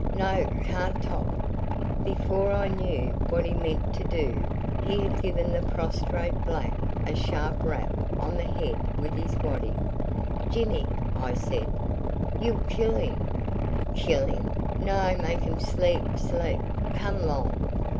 No, can't 'top." Before I knew what he meant to do he had given the prostrate black a sharp rap on the head with his waddy. "Jimmy!" I said; "you'll kill him!" "Kill him! No, makum sleep, sleep. Come 'long."